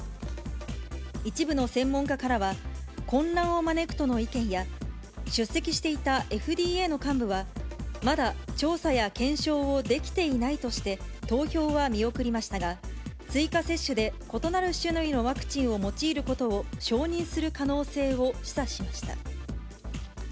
一部の専門家からは、混乱を招くとの意見や、出席していたＦＤＡの幹部は、まだ調査や検証をできていないとして、投票は見送りましたが、追加接種で異なる種類のワクチンを用いることを承認する可能性を示唆しました。